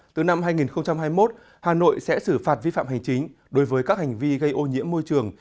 từ năm hai nghìn hai mươi một hà nội sẽ xử phạt vi phạm hành chính đối với các hành vi gây ô nhiễm môi trường